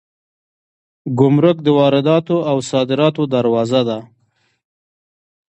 ګمرک د وارداتو او صادراتو دروازه ده